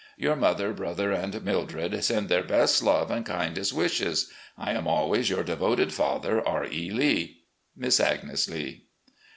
Your mother, brother, and Mildred send their best love and kindest wishes. I am always, "Your devoted father, R. E. Lee. "Miss Agnes Lee.